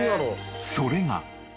それが。